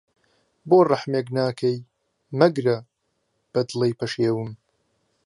بۆ رهحمێک ناکهی، مهگره، به دڵهی پهشێوم